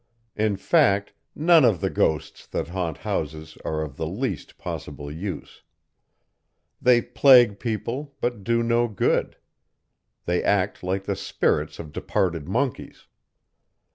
In fact, none of the ghosts that haunt houses are of the least possible use. They plague people, but do no good. They act like the spirits of departed monkeys.